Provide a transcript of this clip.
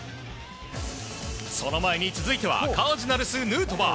その前に続いてはカージナルス、ヌートバー。